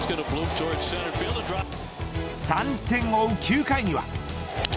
３点を追う９回には。